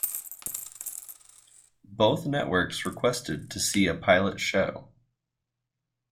Both networks requested to see a pilot show.